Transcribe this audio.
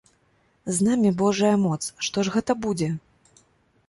З намі божая моц, што ж гэта будзе?